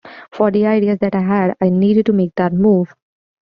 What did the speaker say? For the ideas that I had, I needed to make that move.